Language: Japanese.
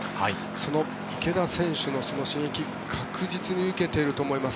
その池田選手の刺激確実に受けていると思います。